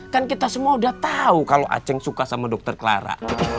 kan kita semua udah tahu kalau aceh suka sama dokter clara